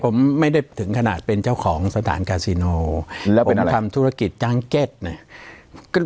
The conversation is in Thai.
ผมไม่ได้ถึงขนาดเป็นเจ้าของสถานกาซิโนแล้วผมทำธุรกิจจ้างเก็ตเนี่ย